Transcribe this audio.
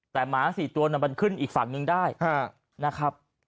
แต่หมา๔ตัวมันขึ้นอีกฝั่งหนึ่งได้นะครับ